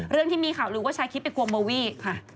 เรื่องที่มีข่าวรู้ว่าชายคิดไปกลัวเมาวี่ค่ะ